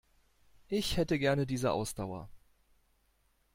Ich hätte gerne diese Ausdauer.